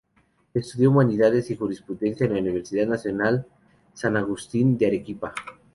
Estudió humanidades y jurisprudencia en la Universidad Nacional San Agustín de Arequipa.